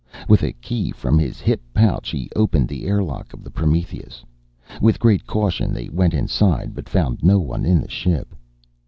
With a key from his hip pouch, he opened the airlock of the Prometheus. With great caution they went inside but found no one in the ship.